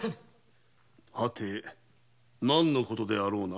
はて何の事であろうな。